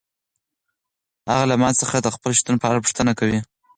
هغه له ما څخه د خپل شتون په اړه پوښتنه کوي.